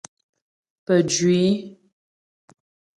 Pəjwî.